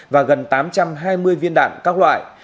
và gần tám trăm hai mươi viên đạn các loại